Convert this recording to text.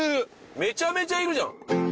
めちゃめちゃいるじゃん